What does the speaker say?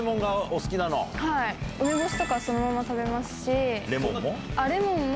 梅干しとかそのまま食べますレモンも？